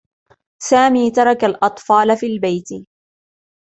سامي ترك الأطفال في البيت.